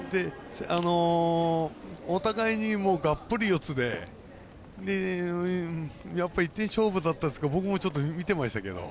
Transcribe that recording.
お互いにがっぷり四つで１点勝負だったんですけど僕も見ていましたけど。